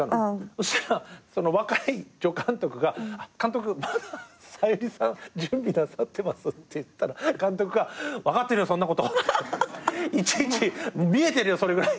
そしたら若い助監督が「監督まだ小百合さん準備なさってます」って言ったら監督が「分かってるよそんなこと」「見えてるよそれぐらい。